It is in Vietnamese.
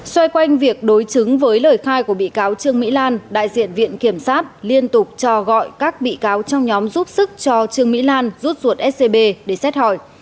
xoay quanh việc đối chứng với lời khai của bị cáo trương mỹ lan đại diện viện kiểm sát liên tục cho gọi các bị cáo trong nhóm giúp sức cho trương mỹ lan rút ruột scb để xét hỏi